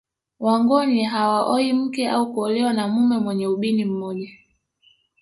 Wangoni hawaoi mke au kuolewa na mume mwenye ubini mmoja